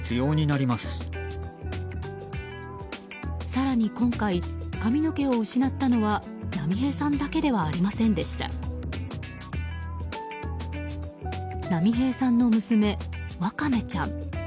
更に今回、髪の毛を失ったのは波平さんだけではありませんでした。波平さんの娘、ワカメちゃん。